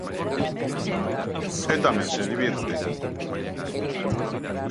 E tamén se divirten.